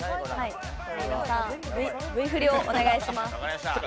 相田さん、Ｖ振りをお願いします。